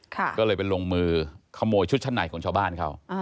ก็เลยไปลงมือขโมยชุดชั้นในของชาวบ้านเขา